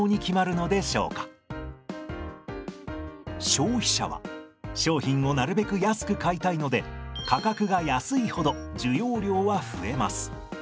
消費者は商品をなるべく安く買いたいので価格が安いほど需要量は増えます。